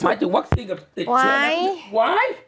หมายถึงวัคซีนกับติดเชื้อแน่นิดนึงไว้